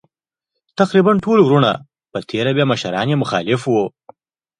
تقریباً ټول وروڼه په تېره بیا مشران یې مخالف وو.